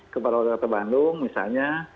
kepada orang orang di bandung misalnya